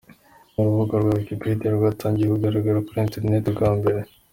Urubuga rwa Wikipedia rwatangiye kugaragara kuri interineti bwa mbere.